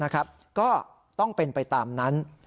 ก็ต้องเป็นไปตามนั้น